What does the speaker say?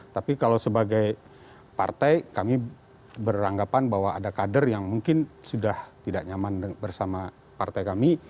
tapi kalau sebagai partai kami beranggapan bahwa ada kader yang mungkin sudah tidak nyaman bersama partai kami